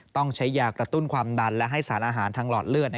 ต้องใช้ยากระตุ้นความดันและให้สารอาหารทางหลอดเลือด